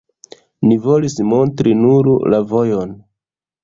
Ni volis montri nur la vojon.